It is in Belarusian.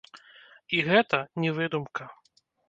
І гэта не выдумка.